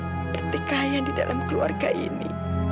ketika yang di dalam keluarga ini